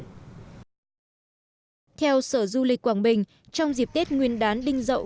theo sở du lịch quảng bình trong dịp tết nguyên đán đinh dậu